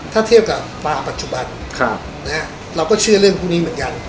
ถ้าเทียบกับฟ้าปัจจุบันเราก็เชื่อเรื่องพวกนี้เหมือนกัน